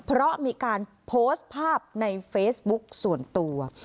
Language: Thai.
เพราะมีการโพสต์ภาพในเฟซบุ๊กส่วนตัว